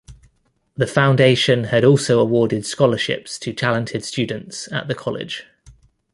The Foundation had also awarded scholarships to talented students at the college.